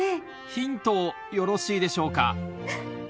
ヒントをよろしいでしょうか？